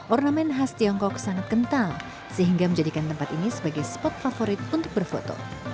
ornamen khas tiongkok sangat kental sehingga menjadikan tempat ini sebagai spot favorit untuk berfoto